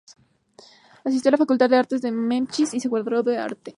Asistió a la Facultad de Arte de Memphis y se graduó en Arte.